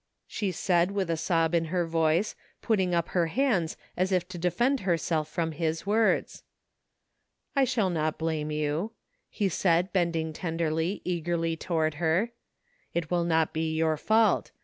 '' she said with a sob in her voice, putting up her hands as if to defend herself from his words. " I shall not blame you," he said bending tenderly, eagerly toward her. " It will not be your fault.